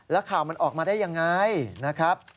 แล้วข่าวมันออกมาได้ยังไงนะครับ